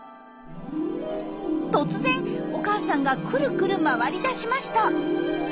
突然お母さんがくるくる回り出しました！